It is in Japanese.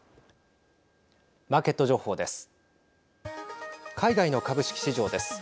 マーケット情報です。